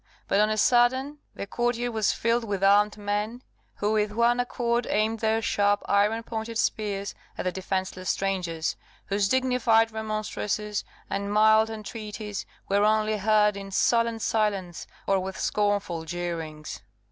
But on a sudden the court yard was filled with armed men, who with one accord aimed their sharp iron pointed spears at the defenceless strangers, whose dignified remonstrances and mild entreaties were only heard in sullen silence or with scornful jeerings.